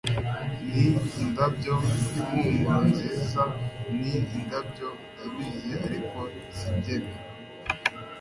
ni indabyo. impumuro nziza ni indabyo. ndabizi. ariko simbyemera